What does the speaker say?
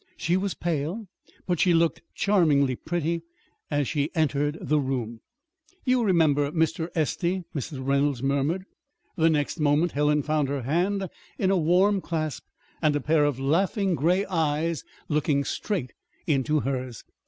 She was pale, but she looked charmingly pretty as she entered the room. "You remember Mr. Estey," Mrs. Reynolds murmured. The next moment Helen found her hand in a warm clasp, and a pair of laughing gray eyes looking straight into hers.